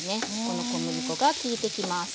この小麦粉がきいてきます。